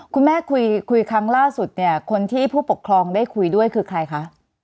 คุณแม่คุยครั้งล่าสุดเนี่ยคนที่ผู้ปกครองได้คุยด้วยคือใครคะ